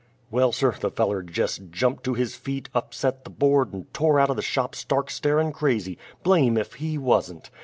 Well sir! the feller jest jumped to his feet, upset the board, and tore out o' the shop stark starin' crazy blame ef he wuzn't!